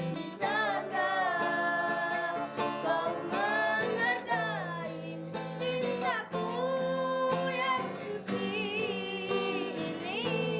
bisakah kau menghargai cintaku yang suci ini